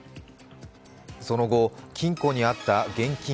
その後、金庫にあった現金